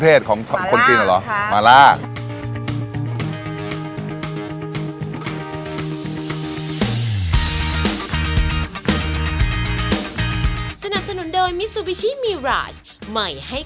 คนท่องกรุงทำเครือต้มยำน้ำข้นไปไหน